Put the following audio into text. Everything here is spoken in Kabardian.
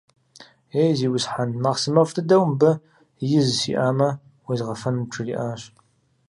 Ей, зиусхьэн, махъсымэфӀ дыдэу мыбы из сиӀамэ, уезгъэфэнут, - жриӀащ.